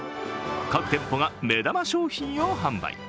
各店舗が目玉商品を販売。